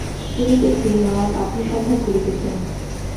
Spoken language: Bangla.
শুনিতেছি মা পাত্রী সন্ধান করিতেছেন।